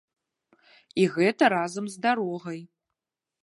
І гэта разам з дарогай!